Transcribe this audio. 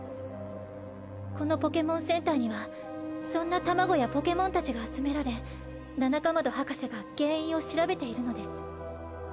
このポケモンセンターにはそんなタマゴやポケモンたちが集められナナカマド博士が原因を調べているのです。